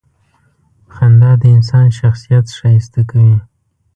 • خندا د انسان شخصیت ښایسته کوي.